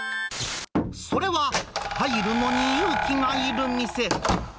それは入るのに勇気がいる店。